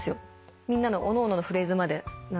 みんなのおのおののフレーズまで何なら。